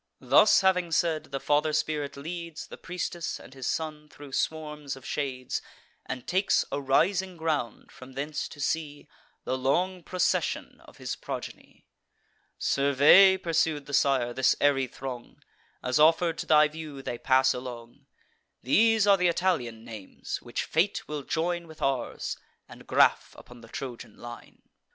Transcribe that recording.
Thus having said, the father spirit leads The priestess and his son thro' swarms of shades, And takes a rising ground, from thence to see The long procession of his progeny. "Survey," pursued the sire, "this airy throng, As, offer'd to thy view, they pass along. These are th' Italian names, which fate will join With ours, and graff upon the Trojan line.